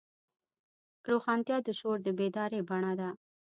روښانتیا د شعور د بیدارۍ بڼه ده.